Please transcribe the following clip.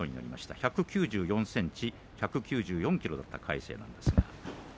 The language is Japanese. １９４ｃｍ１９４ｋｇとなった魁聖です。